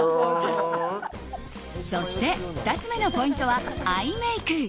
そして、２つ目のポイントはアイメイク。